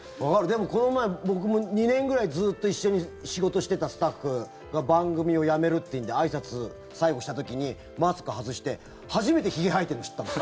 この前、僕も２年くらいずっと一緒に仕事してたスタッフが番組を辞めるっていうんであいさつ、最後した時にマスク外して初めてひげ生えてるの知ったもん。